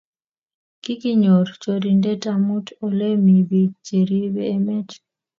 Kiginyor chorindet kemut ole mi biik cheribe emet